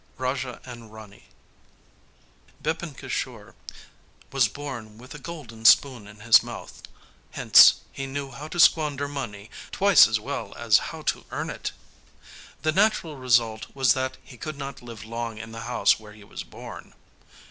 RAJA AND RANI Bipin Kisore was born 'with a golden spoon in his mouth'; hence he knew how to squander money twice as well as how to earn it. The natural result was that he could not live long in the house where he was born.